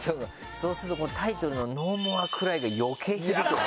そうするとタイトルの『ＮＯＭＯＲＥＣＲＹ』が余計響くね。